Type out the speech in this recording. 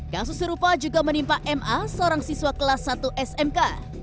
kasus serupa juga menimpa ma seorang siswa kelas satu smk